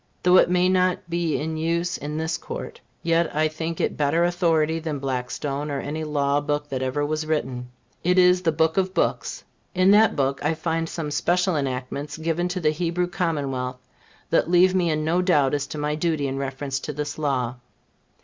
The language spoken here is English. Though it may not be in use in this Court, yet I think it better authority than Blackstone or any law book that ever was written. It is the book of books. In that book, I find some special enactments given to the Hebrew commonwealth, that leave me in no doubt as to my duty in reference to this law.